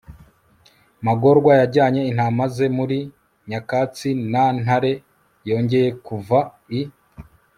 magorwa yajyanye intama ze muri nyakatsi na ntare yongeye kuva i